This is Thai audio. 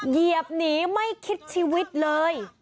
เหยียบหนีไม่คิดชีวิตเลย